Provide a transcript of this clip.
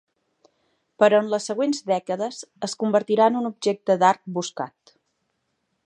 Però en les següents dècades, es convertiria en un objecte d'art buscat.